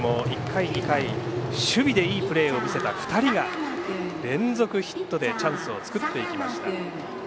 １回２回守備でいいプレーを見せた２人が連続ヒットでチャンスを作っていきました。